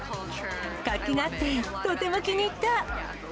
活気があって、とても気に入った。